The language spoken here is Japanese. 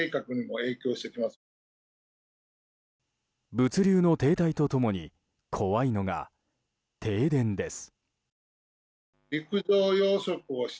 物流の停滞と共に怖いのが停電です。